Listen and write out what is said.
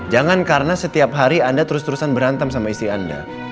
jangan karena setiap hari anda terus terusan berantem sama istri anda